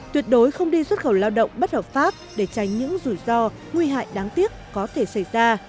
tuyệt đối không đi xuất khẩu lao động bất hợp pháp để tránh những rủi ro nguy hại đáng tiếc có thể xảy ra